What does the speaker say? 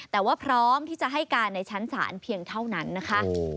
แต่ว่าพร้อมที่จะให้การในชั้นศาลเพียงเท่านั้นนะคะ